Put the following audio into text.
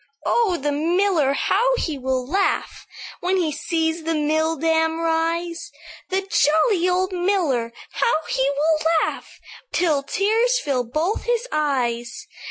"'Oh! the miller, how he will laugh When he sees the mill dam rise! The jolly old miller, how he will laugh Till the tears fill both his eyes!'